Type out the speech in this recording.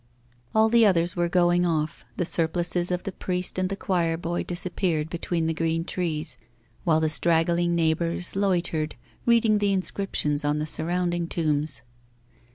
All the others were going off, the surplices of the priest and the choirboy disappeared between the green trees, while the straggling neighbours loitered reading the inscriptions on the surrounding tombs.